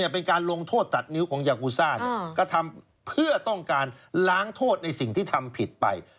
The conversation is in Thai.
เป็นการลงโทษตัดนิ้วของยากูซ่ากระทำเพื่อต้องการล้างโทษในสิ่งที่ทำผิดไป